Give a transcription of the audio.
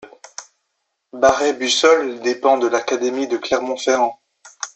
Barrais-Bussolles dépend de l'académie de Clermont-Ferrand.